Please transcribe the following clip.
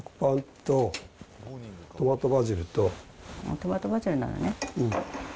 トマトバジルなのね。